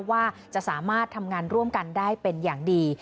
ว่าจะสามารถทำงานร่วมกันได้เป็นอย่างดี